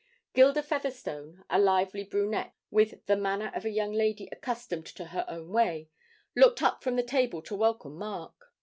Gilda Featherstone, a lively brunette, with the manner of a young lady accustomed to her own way, looked up from the table to welcome Mark.